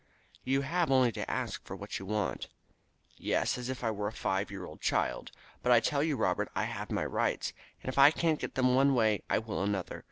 "You have only to ask for what you want." "Yes, as if I were a five year old child. But I tell you, Robert, I'll have my rights, and if I can't get them one way I will another.